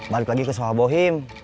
balik lagi ke soha bohin